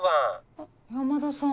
あっ山田さん。